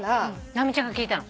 直美ちゃんが聞いたの？